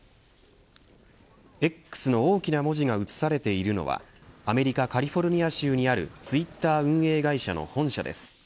Ｘの大きな文字が映されているのはアメリカカリフォルニア州にあるツイッター運営会社の本社です。